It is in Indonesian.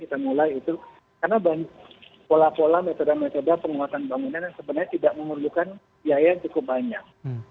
karena pola pola metode metode penguatan bangunan yang sebenarnya tidak memerlukan biaya yang cukup banyak